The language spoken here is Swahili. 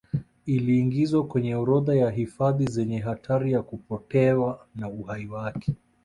Iliingizwa kwenye orodha ya hifadhi zenye hatari ya kupotewa na uhai wake